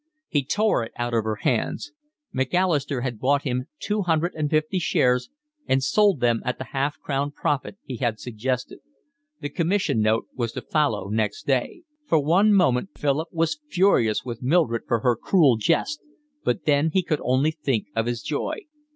He tore it out of her hands. Macalister had bought him two hundred and fifty shares and sold them at the half crown profit he had suggested. The commission note was to follow next day. For one moment Philip was furious with Mildred for her cruel jest, but then he could only think of his joy.